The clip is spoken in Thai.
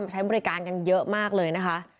ใช้บริการกันเยอะมากเลยนะคะ